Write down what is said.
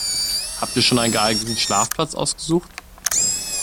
Habt ihr schon einen geeigneten Schlafplatz ausgesucht?